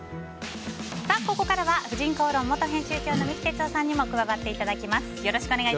ここからは「婦人公論」元編集長の三木哲男さんにも加わっていただきます。